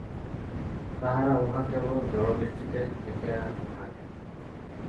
তাহারা উহা কেবল জড়দৃষ্টিতে দেখিয়া থাকে।